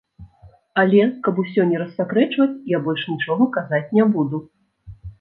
Але, каб усё не рассакрэчваць я больш нічога казаць не буду.